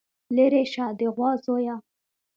ليرې شه د غوا زويه.